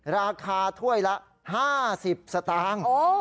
ราคาถ้วยละ๕๐สตางค์